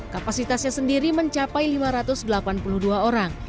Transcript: kapal ini mencapai lima ratus delapan puluh dua orang